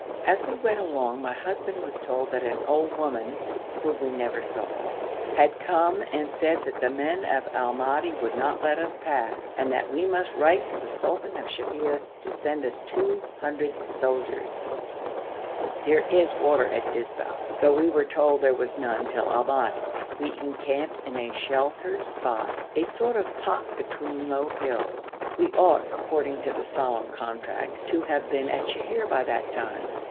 As we went along my husband was told that an old woman (whom we never saw) had come and said that the men of Al Madi would not let us pass, and that we must write to the sultan of Sheher to send us two hundred soldiers. There is water at Dizba, though we were told there was none till Al Madi. We encamped in a sheltered spot, a sort of pot between low hills. We ought, according to the solemn contract, to have been at Sheher by that time.